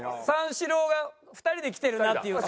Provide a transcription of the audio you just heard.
三四郎が２人で来てるなって。